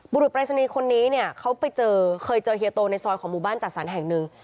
บุรุษปรายศนีย์คนนี้เนี่ยเขาไปเจอเคยเจอเฮียโตในซอยของหมู่บ้านจัดสรรแห่งหนึ่ง